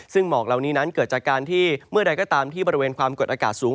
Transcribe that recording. ซึ่งหมอกเหล่านี้นั้นเกิดจากการที่เมื่อใดก็ตามที่บริเวณความกดอากาศสูง